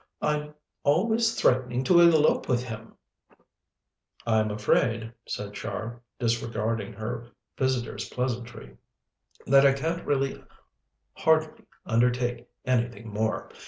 I'm always threatening to elope with him!" "I'm afraid," said Char, disregarding her visitor's pleasantry, "that I can really hardly undertake anything more.